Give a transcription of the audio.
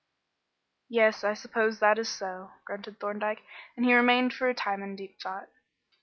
"Yes, I suppose that is so," grunted Thorndyke, and he remained for a time in deep thought.